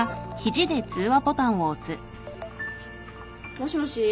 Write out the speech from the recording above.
もしもし。